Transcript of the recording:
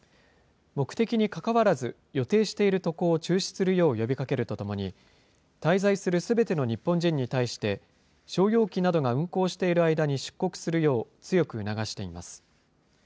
目的にかかわらず、予定している渡航を中止するよう呼びかけるとともに、滞在するすべての日本人に対して、商用機などが運航している間に出国するよう、強く促しています。